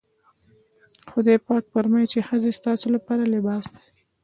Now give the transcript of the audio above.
خدای پاک فرمايي چې ښځې ستاسې لپاره لباس دي.